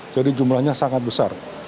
jadi jumlahnya sangat besar